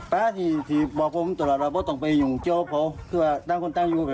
พ่อที่ที่บอกผมตลอดเราไม่ต้องไปอย่างพี่ผมเพราะว่าตั้งคนต้องอยู่